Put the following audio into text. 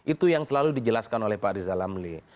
itu yang selalu dijelaskan oleh pak rizal amli